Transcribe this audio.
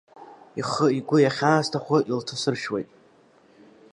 Ихы, игәы, иахьаасҭаху илҭасыршәуеит.